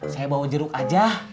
saya bawa jeruk aja